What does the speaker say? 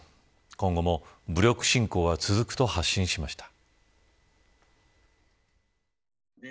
今後も武力侵攻は続くと発信しました。